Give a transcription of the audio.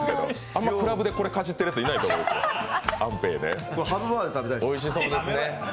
あんまりクラブで、これかじってるやつ、いないと思うで。